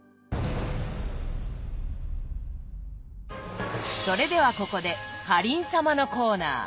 １皿目それではここでかりん様のコーナー。